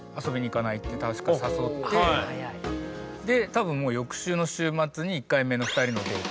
多分もう翌週の週末に１回目の２人のデート。